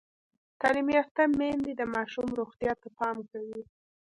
تعلیم یافته میندې د ماشوم روغتیا ته پام کوي۔